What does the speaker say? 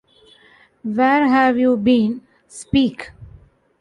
Where have you been? Speak!’